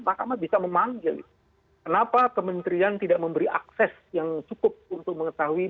mahkamah bisa memanggil kenapa kementerian tidak memberi akses yang cukup untuk mengetahui